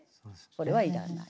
これはいらない。